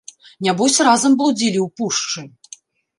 Нябось разам блудзілі ў пушчы!